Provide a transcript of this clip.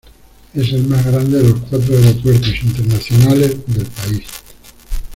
Es el más grande de los cuatro aeropuertos internacionales del país.